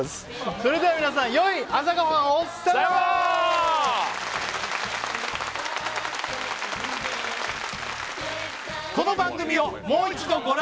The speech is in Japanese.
それでは皆さんよい朝ごはんをさようなら！